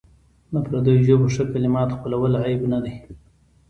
د پردیو ژبو ښه کلمات خپلول عیب نه دی.